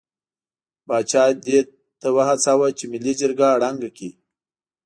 پاچا دې ته هڅاوه چې ملي جرګه ړنګه کړي.